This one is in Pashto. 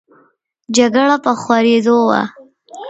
جګړه په خورېدو وه.